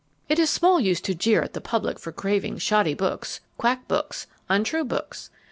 It is small use to jeer at the public for craving shoddy books, quack books, untrue books.